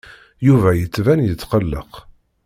Yuba yettban yetqelleq.